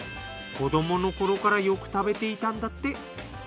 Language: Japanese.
子どもの頃からよく食べていたんだって。